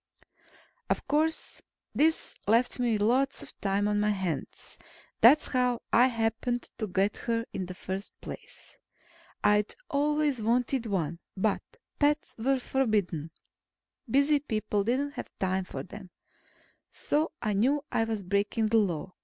Of course, this left me with lots of time on my hands. That's how I happened to get her in the first place. I'd always wanted one, but pets were forbidden. Busy people didn't have time for them. So I knew I was breaking the Law.